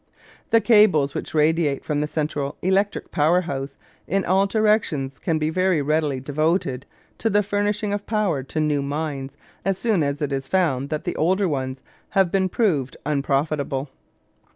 The cables which radiate from the central electric power house in all directions can be very readily devoted to the furnishing of power to new mines as soon as it is found that the older ones have been proved unprofitable.